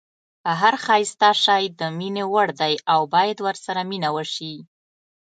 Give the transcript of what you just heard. هر ښایسته شی د مینې وړ دی او باید ورسره مینه وشي.